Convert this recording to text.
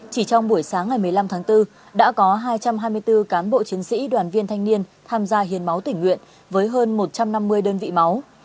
chỉ trong buổi sáng ngày một mươi năm tháng bốn đã có hai trăm hai mươi bốn cán bộ chiến sĩ đoàn viên thanh niên tham gia hiến máu tỉnh nguyện với hơn một trăm năm mươi đơn vị máu